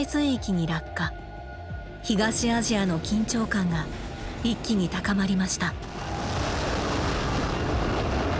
東アジアの緊張感が一気に高まりました。